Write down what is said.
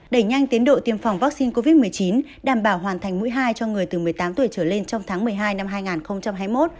đẩy nhanh tiến độ tiêm phòng vaccine covid một mươi chín đảm bảo hoàn thành mũi hai cho người từ một mươi tám tuổi trở lên trong tháng một mươi hai năm hai nghìn hai mươi một